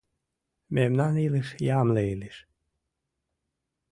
Мемнан илыш — ямле илыш